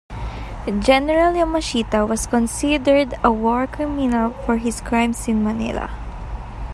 General Yamashita was considered a war criminal for his crimes in Manila.